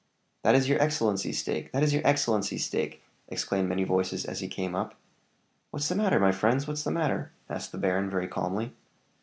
"That is your excellency's stake! that is your excellency's stake!" exclaimed many voices as he came up. "What's the matter, my friends? what's the matter?" asked the baron, very calmly.